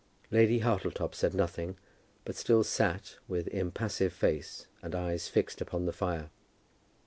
Lady Hartletop said nothing, but still sat, with impassive face, and eyes fixed upon the fire.